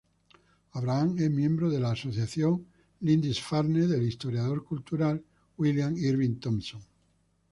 Abraham es miembro de la Asociación Lindisfarne del historiador cultural William Irwin Thompson.